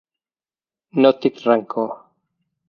No tinc rancor.